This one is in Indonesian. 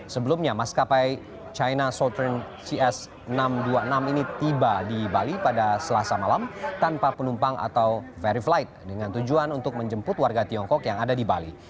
sebelumnya maskapai china southern cs enam ratus dua puluh enam ini tiba di bali pada selasa malam tanpa penumpang atau very flight dengan tujuan untuk menjemput warga tiongkok yang ada di bali